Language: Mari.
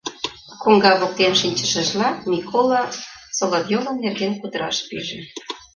Коҥга воктен шинчышыжла, Микола Соловьёва нерген кутыраш пиже.